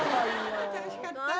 楽しかったー。